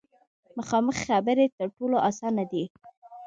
مخامخ خبرې تر ټولو اسانه دي.